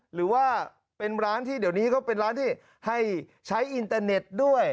หรือว่าเป็นร้านที่เดี๋ยวนี้ก็เป็นร้านที่ให้ใช้อินเตอร์เน็ตด้วย